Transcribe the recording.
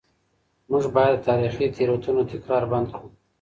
موږ باید د تاریخي تېروتنو تکرار بند کړو.